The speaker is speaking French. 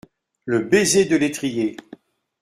Le baiser de l’étrier !